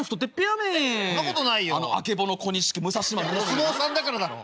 お相撲さんだからだろ。